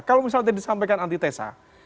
kalau misalnya tadi disampaikan antitesa